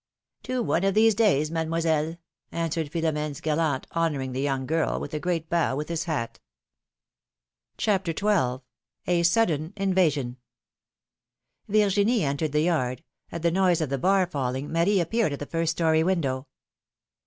'^ To one of these days. Mademoiselle,^' answered Philo m^ne's gallant, honoring the young girl with a great bow with his hat. phjlom^:ne's makeiages. 119 CHAPTER XIL • A SUDDEN INVASION. Y IRGINIE entered the yard ; at the noise of the bar falling, Marie appeared at the first story window.